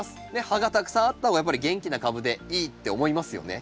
葉がたくさんあった方がやっぱり元気な株でいいって思いますよね。